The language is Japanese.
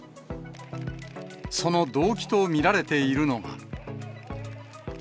その動機と見られているのが。